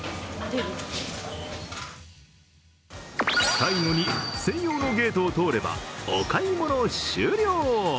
最後に専用のゲートを通ればお買い物終了。